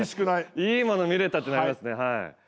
いいもの見れたってなりますね。